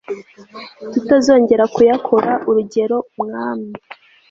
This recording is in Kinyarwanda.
tutazongera kuyakora urugero umwami